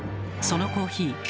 そのコーヒー